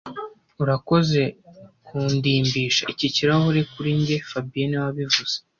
Urakoze kundimbisha iki kirahure kuri njye fabien niwe wabivuze